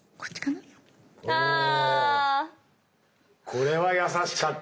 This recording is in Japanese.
これは易しかった。